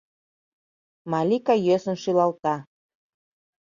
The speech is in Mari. Малика йӧсын шӱлалта.